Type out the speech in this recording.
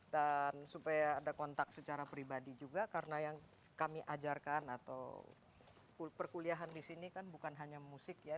dan supaya ada kontak secara pribadi juga karena yang kami ajarkan atau perkuliahan di sini kan bukan hanya musik ya